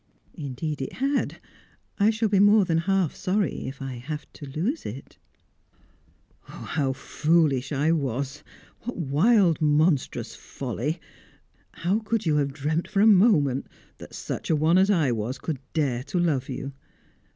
"Indeed it had. I shall be more than half sorry if I have to lose it." "How foolish I was! What wild, monstrous folly! How could you have dreamt for a moment that such a one as I was could dare to love you?